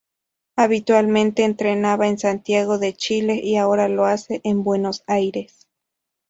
Habitualmente entrenaba en Santiago de Chile y ahora lo hace en Buenos Aires.